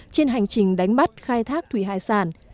trên hành trình đánh bắt khai thác đánh bắt